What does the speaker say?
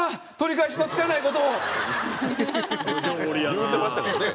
言うてましたからね。